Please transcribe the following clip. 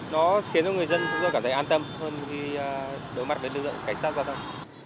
nó khiến cho người dân cảm thấy an tâm hơn khi đối mặt với lựa chọn cảnh sát giao thông